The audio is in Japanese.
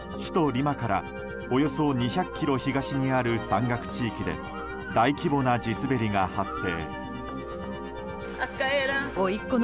リマからおよそ２００ｋｍ東にある山岳地域で大規模な地滑りが発生。